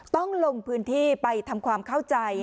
ต้องลงพื้นที่ไปทำความเข้าใจ